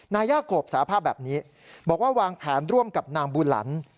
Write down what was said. นายย่าขบสาภาพแบบนี้บอกว่าวางแผนร่วมกับนางบูหลัน